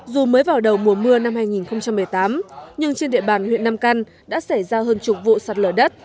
dù mới vào đầu mùa mưa năm hai nghìn một mươi tám nhưng trên địa bàn huyện nam căn đã xảy ra hơn chục vụ sạt lở đất